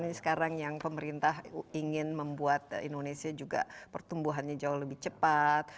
ini sekarang yang pemerintah ingin membuat indonesia juga pertumbuhannya jauh lebih cepat